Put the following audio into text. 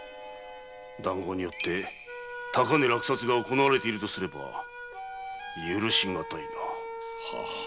談合によって高値落札が行われているとすれば許し難いな。